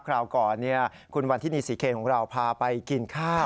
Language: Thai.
คราวก่อนคุณวันทินีศรีเคนของเราพาไปกินข้าว